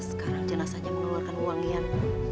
sekarang jenazahnya mengeluarkan wangian